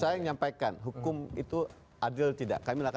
saya menyampaikan hukum itu adil tidak